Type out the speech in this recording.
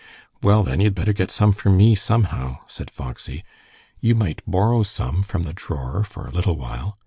"Well, then, you had better get some for me, somehow," said Foxy. "You might borrow some from the drawer for a little while."